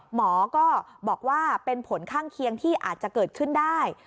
หมอก็บอกว่าเป็นผลข้างเคียงที่อาจจะเกิดขึ้นได้